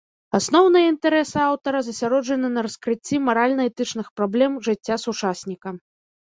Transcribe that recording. Асноўныя інтарэсы аўтара засяроджаны на раскрыцці маральна-этычных праблем жыцця сучасніка.